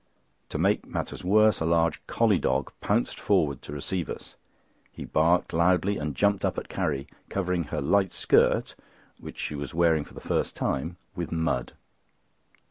To make matters worse, a large collie dog pounced forward to receive us. He barked loudly and jumped up at Carrie, covering her light skirt, which she was wearing for the first time, with mud.